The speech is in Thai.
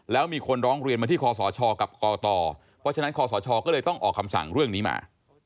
แล้วมีคนร้องเรียนมาที่คอสชกับกตเพราะฉะนั้นคอสชก็เลยต้องออกคำสั่งเรื่องนี้มา